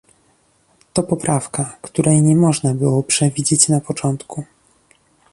To poprawka, której nie można było przewidzieć na początku